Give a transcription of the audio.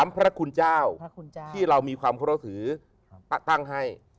๓พระคุณเจ้าที่เรามีความเคราะห์ถือตั้งให้